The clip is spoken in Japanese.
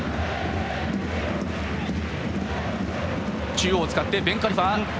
中央を使ってベンカリファ。